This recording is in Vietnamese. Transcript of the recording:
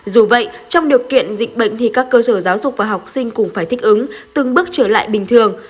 dù vậy trong điều kiện dịch bệnh thì các cơ sở giáo dục và học sinh cùng phải thích ứng từng bước trở lại bình thường